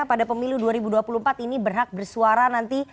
pada pemilu dua ribu dua puluh empat ini berhak bersuara nanti